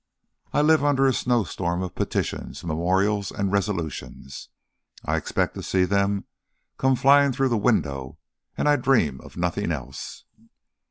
I live under a snow storm of petitions, memorials, and resolutions. I expect to see them come flying through the window, and I dream of nothing else."